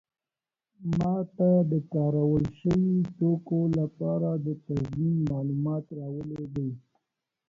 ما ته د کارول شوي توکو لپاره د تضمین معلومات راولیږئ.